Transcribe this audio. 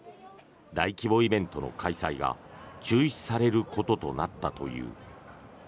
大規模イベントの開催が中止されることとなったという。